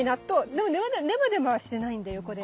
でもネバネバはしてないんだよこれ。